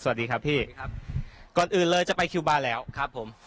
สวัสดีครับพี่ครับก่อนอื่นเลยจะไปคิวบาร์แล้วครับผม